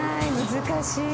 難しい。